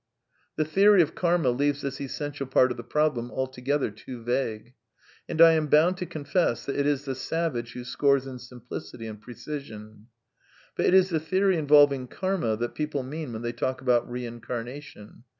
The theory of Karma leaves this essential part of the problem alto gether too vague. And I am boimd to confess that it is the savage who scores in simplicity and precision. But it is the theory involving Karma that people mean when they talk about reincarnation.